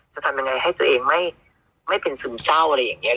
จะทำยังไงให้ตัวเองไม่เป็นซึมเศร้าอะไรอย่างนี้